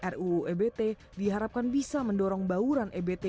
ruu ebt diharapkan bisa mendorong bauran ebt dua ribu dua puluh